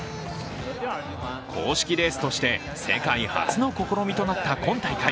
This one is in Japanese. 公式レースとして世界初の試みとなった今大会。